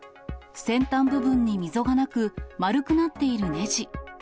先端部分に溝がなく、丸くなっているねじ。